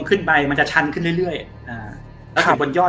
ขึ้นไปมันจะชันขึ้นเรื่อย